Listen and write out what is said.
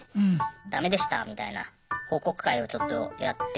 ダメでしたみたいな報告会をちょっとやって。